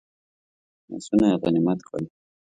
آسونه یې غنیمت کړل.